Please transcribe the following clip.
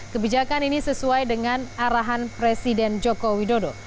kebijakan ini sesuai dengan arahan presiden joko widodo